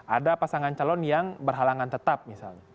ada pasangan calon yang berhalangan tetap misalnya